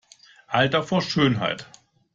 Alter vor Schönheit!